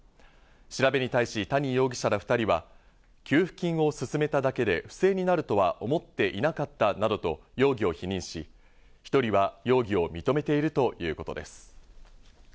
調べに対し、谷容疑者ら２人は給付金を勧めただけで不正になるとは思っていなかったなどと容疑を否認し、１人は容疑を認めているということです。